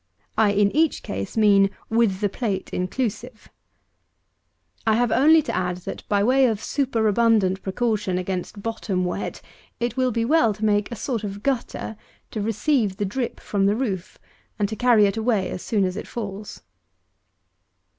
I, in each case, mean, with the plate inclusive. I have only to add, that by way of superabundant precaution against bottom wet, it will be well to make a sort of gutter, to receive the drip from the roof, and to carry it away as soon as it falls.